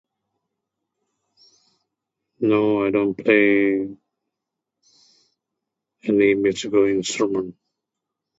No, I don't play any musical instrument.